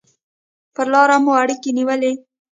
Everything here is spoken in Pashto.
پر لاره مو اړیکې نیولې.